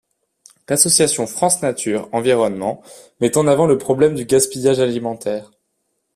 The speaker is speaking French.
L'association France Nature Environnement met en avant le problème du gaspillage alimentaire.